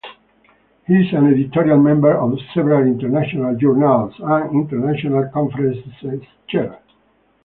He is an editorial member of several international journals and international conferences chair.